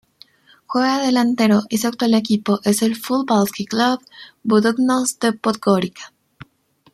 Juega de delantero y su actual equipo es el Fudbalski Klub Budućnost de Podgorica.